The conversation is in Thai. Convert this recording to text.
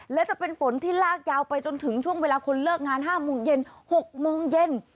และจะเป็นฝนที่ลากยาวไปจนถึงช่วงเวลาคนเลิกงาน๕โมงเย็น๖โมงเย็น